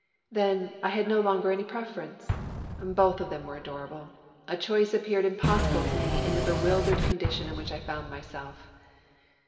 Then, I had no longer any preference; both of them were adorable; a choice appeared impossible to me in the bewildered condition in which I found myself.